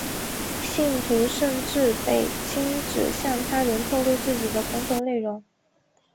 信徒甚至被禁止向他人透露自己的工作内容。